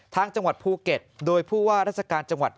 ทางจังหวัดภูเกษโดยผู้ว่ารัฐกาลจังหวัด